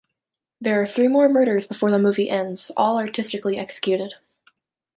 There are three more murders before the movie ends, all artistically executed.